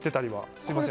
すみません